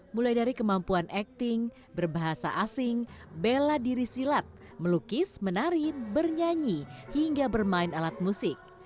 mulai dari kemampuan acting berbahasa asing bela diri silat melukis menari bernyanyi hingga bermain alat musik